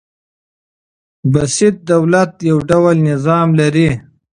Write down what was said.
بسیط دولت يو ډول نظام لري.